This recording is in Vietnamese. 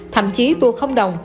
thậm chí tour không đồng